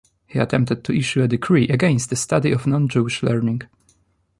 He attempted to issue a decree against the study of non-Jewish learning.